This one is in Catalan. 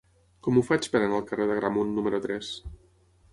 Com ho faig per anar al carrer d'Agramunt número tres?